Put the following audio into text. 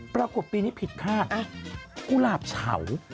ปรากฏปีนี้ผิดคาดกุหลาบเฉา